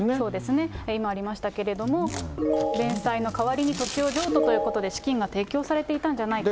今ありましたけれども、弁済の代わりに土地を譲渡ということで、資金が提供されていたんじゃないか。